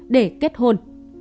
để kết hôn